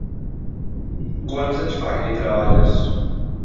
Quants anys fa que hi treballes?